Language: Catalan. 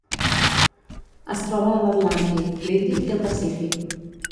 Es troba a l'Atlàntic, l'Índic i el Pacífic.